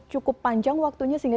cukup panjang waktunya sehingga